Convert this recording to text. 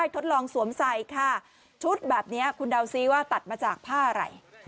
ทดลองสวมใส่ค่ะชุดแบบนี้คุณเดาซิว่าตัดมาจากผ้าอะไร